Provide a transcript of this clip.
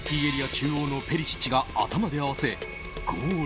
中央のペリシッチが頭で合わせゴール。